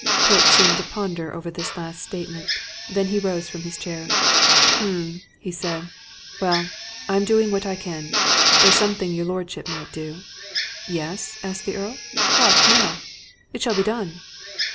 Polke seemed to ponder over this last statement. Then he rose from his chair. "Um!" he said. "Well I'm doing what I can. There's something your lordship might do." "Yes?" asked the Earl. "What, now! It shall be done."